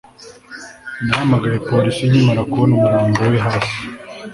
nahamagaye abapolisi nkimara kubona umurambo we hasi